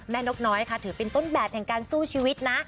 นกน้อยค่ะถือเป็นต้นแบบแห่งการสู้ชีวิตนะ